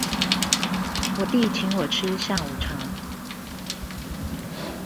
我弟請我吃下午茶